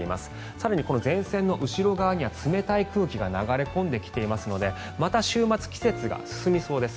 更にこの前線の後ろ側には冷たい空気が流れ込んできていますのでまた週末、季節が進みそうです。